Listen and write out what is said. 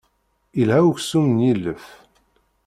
Ilha uksum n yilef.